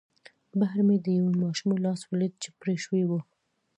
بهر مې د یوې ماشومې لاس ولید چې پرې شوی و